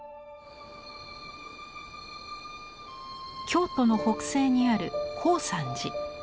京都の北西にある高山寺。